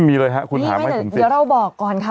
มีเลยครับคุณถามให้ผมสิอนไม่เดี๋ยวเราบอกก่อนค่ะ